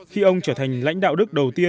khi ông trở thành lãnh đạo đức đầu tiên